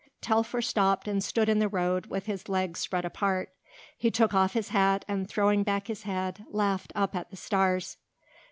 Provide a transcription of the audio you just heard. '" Telfer stopped and stood in the road with his legs spread apart. He took off his hat and throwing back his head laughed up at the stars.